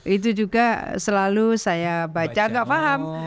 itu juga selalu saya baca nggak paham